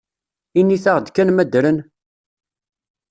Init-aɣ-d kan ma ddren?